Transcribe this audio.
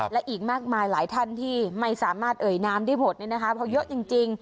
และอีกมากมายหลายท่านที่ไม่สามารถเอ่ยน้ำได้หมดเพราะเยอะจริง